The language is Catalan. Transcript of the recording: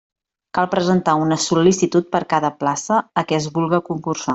Cal presentar una sol·licitud per cada plaça a què es vulga concursar.